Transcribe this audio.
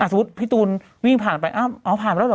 สมมุติพี่ตูนวิ่งผ่านไปอ้าวผ่านไปแล้วเห